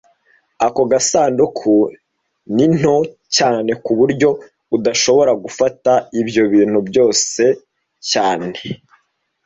Ako gasanduku ni nto cyane ku buryo udashobora gufata ibyo bintu byose cyane